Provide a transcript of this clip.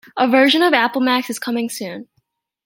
A version for Apple Macs is coming soon.